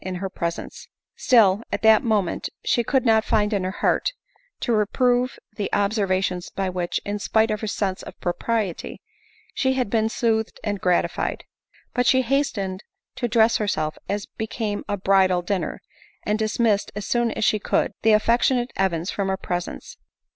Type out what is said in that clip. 59 k in her presence ; still, at that moment, she could not find in her heart to reprove the observations by which, in spite of her sense of propriety, she had been soothed and gratified ; but she hastened to dress herself as became a bridal dinner, and dismissed, as soon as she could, the affectionate Evans from her presence.